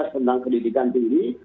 tentang pendidikan diri